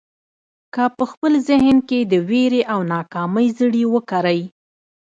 که په خپل ذهن کې د وېرې او ناکامۍ زړي وکرئ.